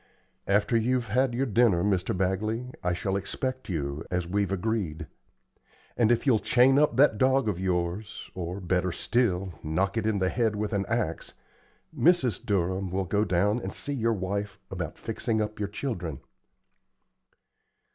After you're had your dinner, Mr. Bagley, I shall expect you, as we've agreed. And if you'll chain up that dog of yours, or, better still, knock it on the head with an axe, Mrs. Durham will go down and see your wife about fixing up your children."